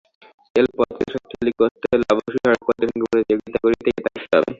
রেলপথকে শক্তিশালী করতে হলে অবশ্যই সড়কপথের সঙ্গে প্রতিযোগিতা করেই টিকে থাকতে হবে।